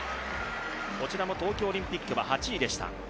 こちらも東京オリンピックは８位でした。